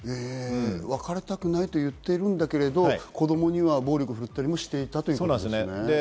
別れたくないと言ってるんだけど、子供には暴力を振るったりもしていたということですね。